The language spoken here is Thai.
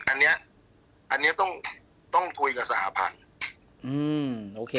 อันนี้ต้องคุยกับสหภัณฑ์